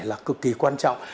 là cực kỳ quan trọng